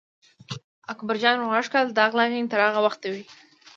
اکبر جان ور غږ کړل: دا غلاګانې تر هغه وخته وي.